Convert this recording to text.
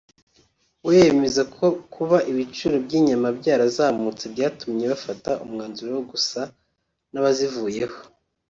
we yemeza ko kuba ibiciro by’inyama byarazamutse byatumye bafata umwanzuro wo gusa n’abazivuyeho